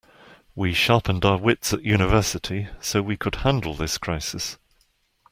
We sharpened our wits at university so we could handle this crisis.